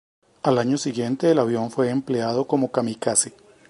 Al año siguiente el avión fue empleado como kamikaze.